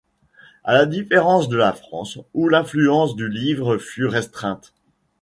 À la différence de la France où l'influence du livre fut restreinte.